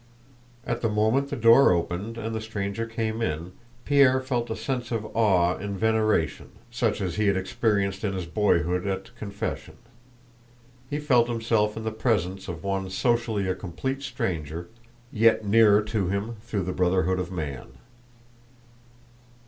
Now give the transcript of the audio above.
At the moment the door opened and the stranger came in, Pierre felt a sense of awe and veneration such as he had experienced in his boyhood at confession; he felt himself in the presence of one socially a complete stranger, yet nearer to him through the brotherhood of man.